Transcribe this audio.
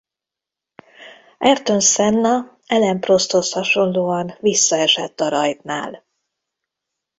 Ayrton Senna Alain Prosthoz hasonlóan visszaesett a rajtnál.